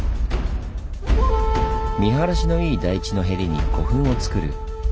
見晴らしのいい台地のヘリに古墳をつくる。